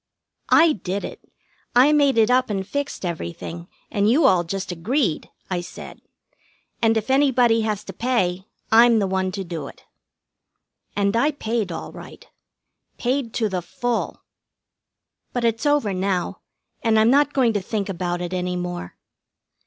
"I did it. I made it up and fixed everything, and you all just agreed," I said. "And if anybody has to pay, I'm the one to do it." And I paid all right. Paid to the full. But it's over now, and I'm not going to think about it any more.